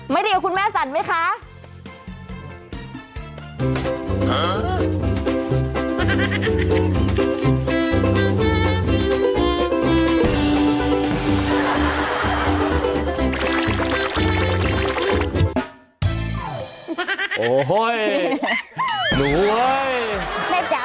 ไม่ได้ว่าคุณแม่สั่นไหมคะ